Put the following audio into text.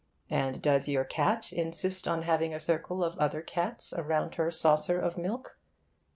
and does your cat insist on having a circle of other cats around her saucer of milk?